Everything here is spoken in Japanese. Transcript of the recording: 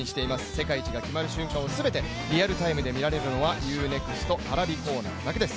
世界一が決まる瞬間を全てリアルタイムで見られるのはＵ−ＮＥＸＴＰａｒａｖｉコーナーだけです。